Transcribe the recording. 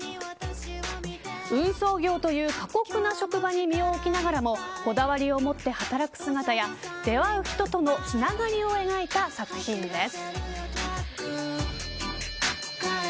運送業という過酷な職場に身を置きながらもこだわりを持って働く姿や出会う人とのつながりを描いた作品です。